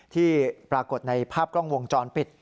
ที่ปรากฏในภาพกล้องวงจรปิด